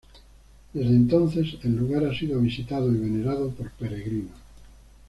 Desde entonces el lugar ha sido visitado y venerado por peregrinos.